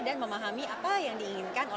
dan memahami apa yang diinginkan